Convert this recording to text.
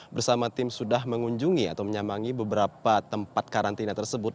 bersama tim sudah mengunjungi atau menyamangi beberapa tempat karantina tersebut